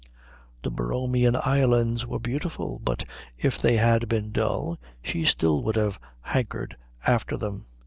The Borromean Islands were beautiful, but if they had been dull she still would have hankered after them.